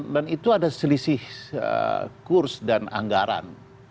dan itu ada selisih kurs dan anggaran